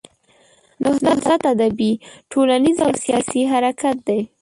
نهضت ادبي، ټولنیز او سیاسي حرکت دی.